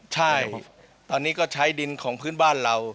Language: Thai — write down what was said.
ใช่ตอนนี้ก็ใช้ดินของพื้นบ้านเรา